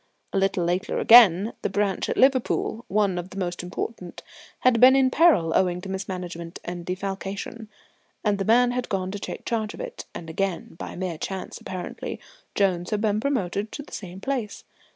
A little later, again, the branch at Liverpool, one of the most important, had been in peril owing to mismanagement and defalcation, and the man had gone to take charge of it, and again, by mere chance apparently, Jones had been promoted to the same place.